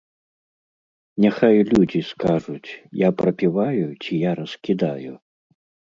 Няхай людзі скажуць, я прапіваю ці я раскідаю?